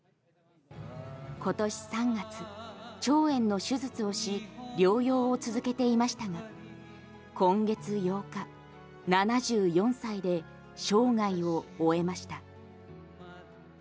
今年３月、腸炎の手術をし療養を続けていましたが今月８日７４歳で生涯を終えました。